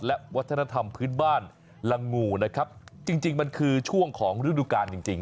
และวัฒนธรรมพื้นบ้านลังงูนะครับจริงจริงมันคือช่วงของฤดูกาลจริงจริง